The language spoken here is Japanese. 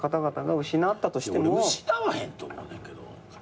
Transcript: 俺失わへんと思うねんけど。